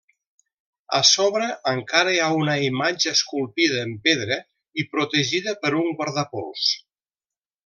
A sobre encara hi ha una imatge esculpida en pedra i protegida per un guardapols.